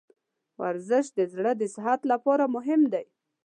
ورزش د زړه د صحت لپاره مهم دی.